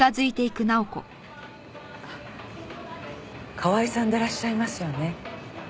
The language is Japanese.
川合さんでいらっしゃいますよね？